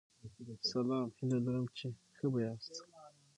سلام هیله لرم چی ښه به یاست